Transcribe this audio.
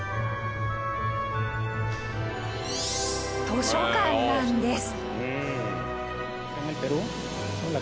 図書館なんです。